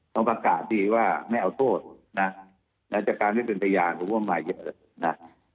ต้องประกาศดีว่าไม่เอาโตฯจากการได้เป็นทะยานมีมากเยอะ